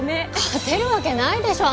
勝てるわけないでしょ